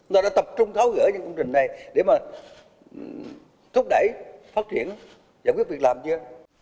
chúng ta đã tập trung tháo gỡ những công trình này để mà thúc đẩy phát triển và giải quyết việc làm chưa